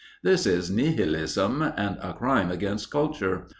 This is Nihilism and a crime against culture.